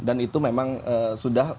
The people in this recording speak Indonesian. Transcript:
dan itu memang sudah